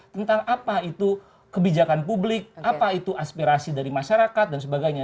tentang apa itu kebijakan publik apa itu aspirasi dari masyarakat dan sebagainya